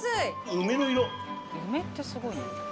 梅ってすごいね。